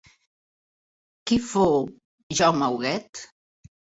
Qui fou Jaume Huguet?